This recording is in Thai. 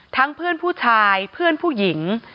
เพื่อนผู้ชายเพื่อนผู้หญิง